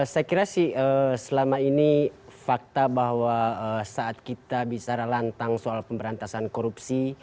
saya kira sih selama ini fakta bahwa saat kita bicara lantang soal pemberantasan korupsi